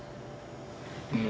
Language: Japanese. うん。